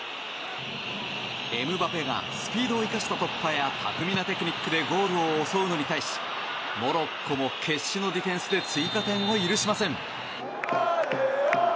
エムバペがスピードを生かした突破や巧みなテクニックでゴールを襲うのに対しモロッコも決死のディフェンスで追加点を許しません。